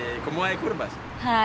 はい。